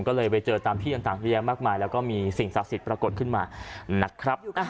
ก็เลยไปเจอตามที่ต่างเยอะแยะมากมายแล้วก็มีสิ่งศักดิ์สิทธิ์ปรากฏขึ้นมานะครับ